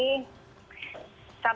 sama juga sih seperti